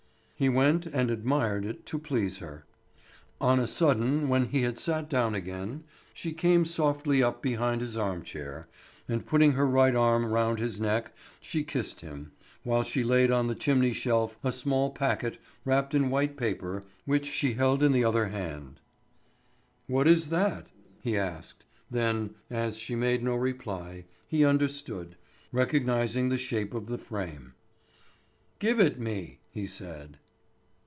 He went and admired it to please her. On a sudden, when he had sat down again, she came softly up behind his arm chair, and putting her right arm round his neck she kissed him, while she laid on the chimney shelf a small packet wrapped in white paper which she held in the other hand. "What is that?" he asked. Then, as she made no reply, he understood, recognising the shape of the frame. "Give it me!" he said.